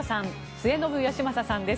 末延吉正さんです。